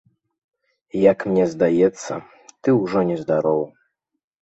Як мне здаецца, ты ўжо нездарова!